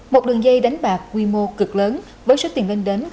một đường dây đánh bạc quy mô cực lớn với số tiền lên đến gần tám tỷ đồng